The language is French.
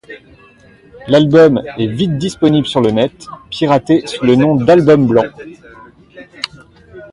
L'album est vite disponible sur le net, piraté sous le nom d'Album Blanc.